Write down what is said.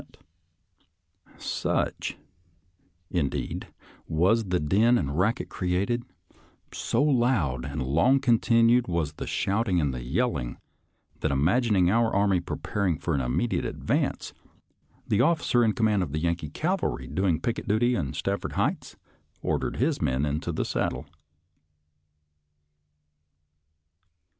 104 SOLDIER'S LETTERS TO CHARMING NELLIE Such, indeed, was the din and racket created, so loud and long continued was the shouting and the yelling, that imagining our army preparing for an immediate advance, the officer in com mand of the Yankee cavalry doing picket duty on Stafford Heights ordered his men into the saddle.